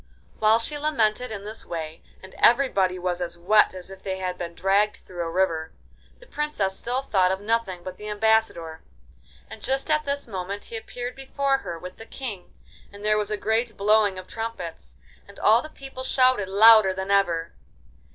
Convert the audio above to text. While she lamented in this way, and everybody was as wet as if they had been dragged through a river, the Princess still thought of nothing but the ambassador, and just at this moment he appeared before her, with the King, and there was a great blowing of trumpets, and all the people shouted louder than ever.